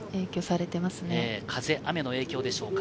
風、雨の影響でしょうか。